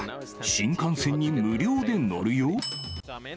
新幹線に無料で乗るよ。